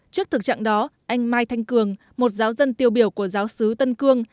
trước thực trạng đó anh mai thanh cường một giáo dân tiêu biểu của giáo sứ tân cương